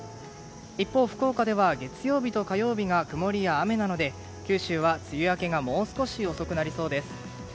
一方、福岡では月曜日と火曜日が曇りや雨なので九州は梅雨明けがもう少し遅くなりそうです。